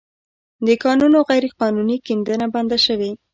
د کانونو غیرقانوني کیندنه بنده شوې